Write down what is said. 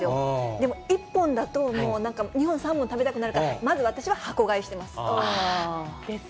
でも、１本だと、もうなんか、２本、３本食べたくなるから、まず、私は箱買いしてます。ですね。